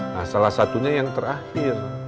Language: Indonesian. nah salah satunya yang terakhir